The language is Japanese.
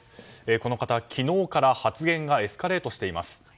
この方、昨日から発言がエスカレートしています。